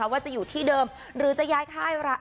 ว่าจะอยู่ที่เดิมหรือจะย้ายค่าย